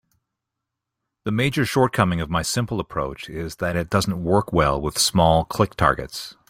The major shortcoming of my simple approach is that it doesn't work well with small click targets.